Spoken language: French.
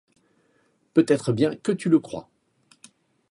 Peut-être bien que tu le crois?